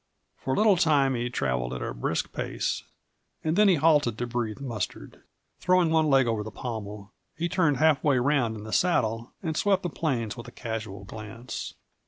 For a little time he traveled at a brisk pace and then he halted to breathe Mustard. Throwing one leg over the pommel, he turned half way around in the saddle and swept the plains with a casual glance.